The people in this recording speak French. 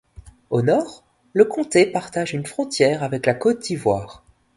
Au nord, le comté partage une frontière avec la Côte d'Ivoire.